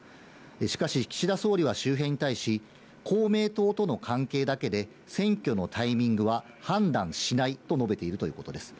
しかし岸田総理は周辺に対し、公明党との関係だけで選挙のタイミングは判断しないと述べているということです。